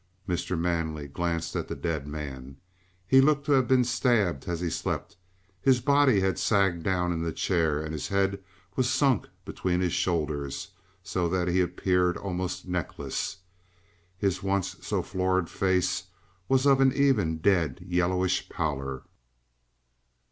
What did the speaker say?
Mr. Manley glanced at the dead man. He looked to have been stabbed as he slept. His body had sagged down in the chair, and his head was sunk between his shoulders, so that he appeared almost neckless. His once so florid face was of an even, dead, yellowish pallor.